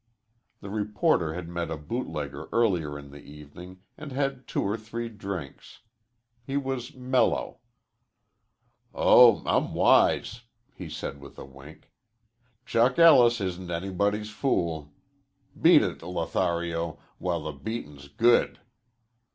The reporter had met a bootlegger earlier in the evening and had two or three drinks. He was mellow. "Oh, I'm wise," he said with a wink. "Chuck Ellis isn't anybody's fool. Beat it, Lothario, while the beating's good."